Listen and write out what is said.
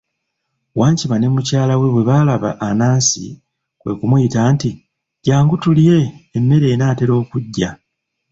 Wankima ne mukyala we bwe baalaba Anansi kwe kumuyita nti, jangu tulye, emmere enaatera okuggya.